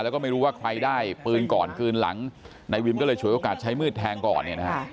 แล้วก็ไม่รู้ว่าใครได้ปืนก่อนคืนหลังนายวินก็เลยฉวยโอกาสใช้มีดแทงก่อนเนี่ยนะฮะ